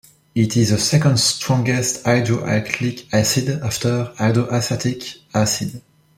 It is the second strongest hydrohalic acid, after hydroastatic acid.